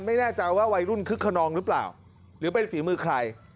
ไม่แน่ใจว่าวัยรุ่นคึกขนองหรือเปล่าหรือเป็นฝีมือใคร